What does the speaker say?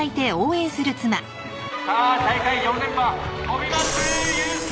・さぁ大会４連覇飛松祐輔！